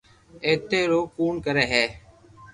ايتي رڙ ڪون ڪري ھي